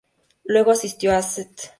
Luego asistió a St.